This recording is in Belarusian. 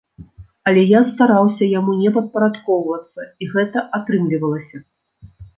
Але я стараўся яму не падпарадкоўвацца, і гэта атрымлівалася.